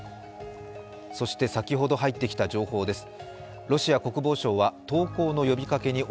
そして先ほど入ってきた情報です。